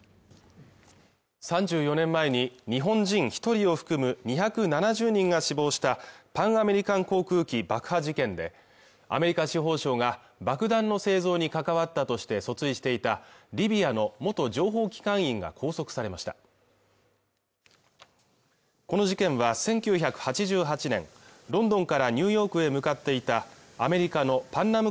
３４年前に日本人一人を含む２７０人が死亡したパンアメリカン航空機爆破事件でアメリカ司法省が爆弾の製造に関わったとして訴追していたリビアの元情報機関員が拘束されましたこの事件は１９８８年ロンドンからニューヨークへ向かっていたアメリカのパンナム